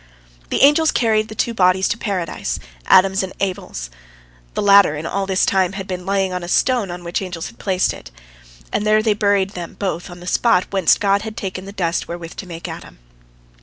" The angels carried the two bodies to Paradise, Adam's and Abel's—the latter had all this time been lying on a stone on which angels had placed it—and they buried them both on the spot whence God had taken the dust wherewith to make Adam.